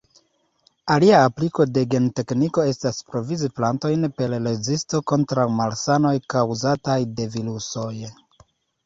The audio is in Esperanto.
Alia apliko de gentekniko estas provizi plantojn per rezisto kontraŭ malsanoj kaŭzataj de virusoj.